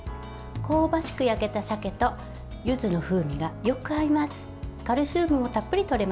香ばしく焼けた鮭と柚子の風味がよく合います。